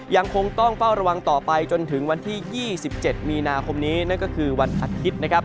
ยังคงต้องเฝ้าระวังต่อไปจนถึงวันที่๒๗มีนาคมนี้นั่นก็คือวันอาทิตย์นะครับ